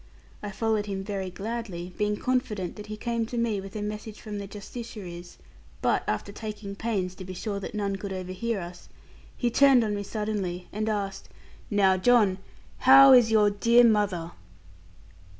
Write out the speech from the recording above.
I followed him very gladly, being confident that he came to me with a message from the Justiciaries. But after taking pains to be sure that none could overhear us, he turned on me suddenly, and asked, 'Now, John, how is your dear mother?'